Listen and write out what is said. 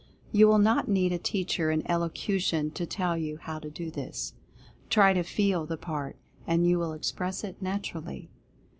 You will not need a teacher in elocution to tell you how to do this. Try to FEEL the part, and you will express it naturally.